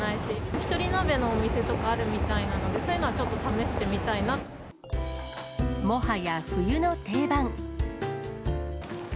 一人鍋のお店とかあるみたいなので、そういうのはちょっと試してもはや、冬の定番。